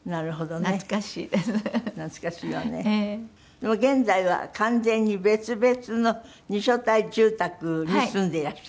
でも現在は完全に別々の２所帯住宅に住んでいらっしゃる？